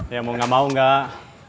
ya mau gak mau nggak